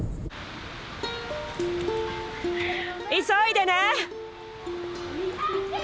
急いでね！